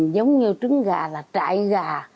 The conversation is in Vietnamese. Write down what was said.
giống như trứng gà là trại gà